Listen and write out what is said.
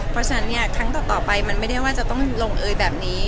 เพราะฉะนั้นเนี่ยครั้งต่อไปมันไม่ได้ว่าจะต้องลงเอยแบบนี้